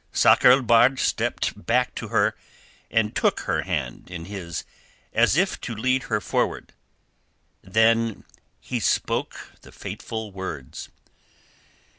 Sakr el Bahr stepped back to her and took her hand in his as if to lead her forward. Then he spoke the fateful words.